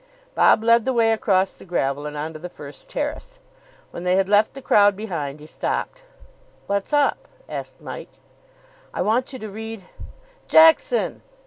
Bob led the way across the gravel and on to the first terrace. When they had left the crowd behind, he stopped. "What's up?" asked Mike. "I want you to read " "Jackson!"